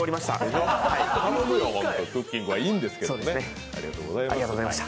クッキングはいいんですけどね。